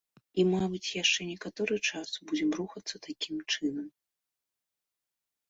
І мабыць яшчэ некаторы час будзем рухацца такім чынам.